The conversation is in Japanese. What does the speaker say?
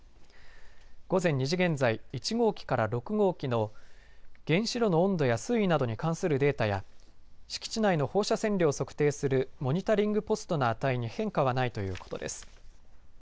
午前２時現在１号機から６号機の原子炉の温度や水位などに関するデータや敷地内の放射線量を測定するモニタリングポストの値に変化はないということです。